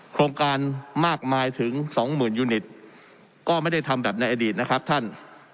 โครงการมากมายถึงสองหมื่นยูนิตก็ไม่ได้ทำแบบในอดีตนะครับท่าน